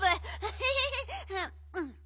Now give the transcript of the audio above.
ヘヘヘヘ。